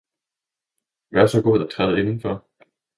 Vær så god at træde indenfor!